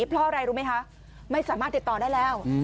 เพราะอะไรรู้ไหมคะไม่สามารถติดต่อได้แล้ว